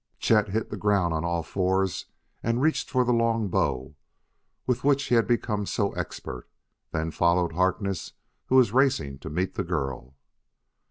Chet hit the ground on all fours and reached for the long bow with which he had become so expert; then followed Harkness who was racing to meet the girl.